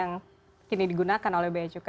yang kini digunakan oleh beacukai